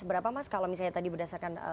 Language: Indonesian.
berapa mas kalau misalnya tadi berdasarkan